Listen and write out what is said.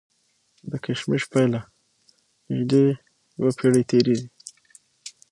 د کشمش پیله نژدې یوه پېړۍ تېرېږي.